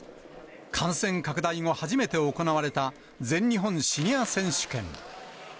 感染拡大後、初めて行われた全日本シニア選手権。